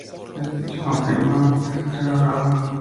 Este hecho confirmaba que se trataba de un ataque terrorista.